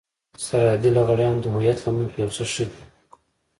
سرحدي لغړيان د هويت له مخې يو څه ښه دي.